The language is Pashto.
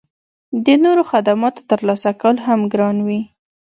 د نورو خدماتو ترلاسه کول هم ګران وي